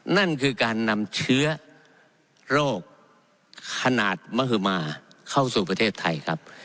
นั่นคือการนำเชื้อโรคขนาดมหมาเข้าสู่ประเทศไทยครับ